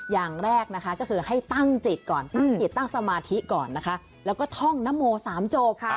อย่างแรกนะคะให้ตั้งจิตก่อนตั้งสมาธิก่อนแล้วก็ท่องนโม๓โจบ